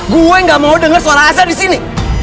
gue gak mau denger suara ajan disini